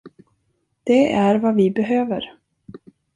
Det är vad vi behöver.